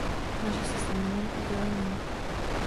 Množí se semenem a dělením.